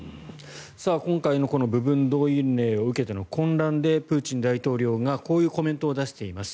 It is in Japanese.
今回の部分動員令を受けての混乱でプーチン大統領がこういうコメントを出しています。